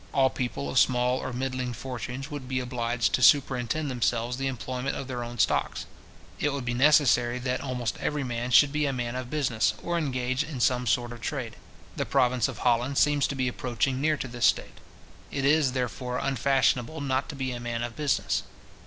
All people of small or middling fortunes would be obliged to superintend themselves the employment of their own stocks. It would be necessary that almost every man should be a man of business, or engage in some sort of trade. The province of Holland seems to be approaching near to this state. It is there unfashionable not to be a man of business.